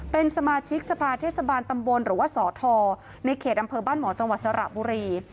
เป็นสมาชิกสภาเทศบาลตำบลหรือว่าสอทรในเขตอำเภอบ้านหมอจังหวัดสระบุรี